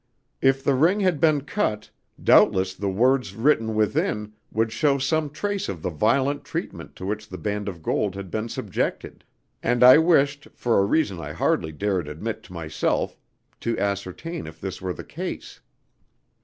If the ring had been cut doubtless the words written within would show some trace of the violent treatment to which the band of gold had been subjected; and I wished, for a reason I hardly dared admit to myself, to ascertain if this were the case.